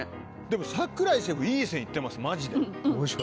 でも櫻井シェフいい線行ってますマジで。